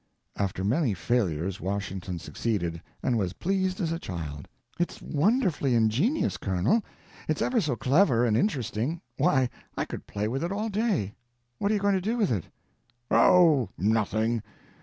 After many failures Washington succeeded, and was as pleased as a child. "It's wonderfully ingenious, Colonel, it's ever so clever and interesting—why, I could play with it all day. What are you going to do with it?" "Oh, nothing.